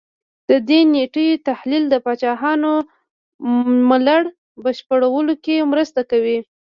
د دې نېټو تحلیل د پاچاهانو نوملړ په بشپړولو کې مرسته کوي